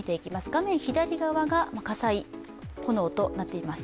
画面左側が火災、炎となっています。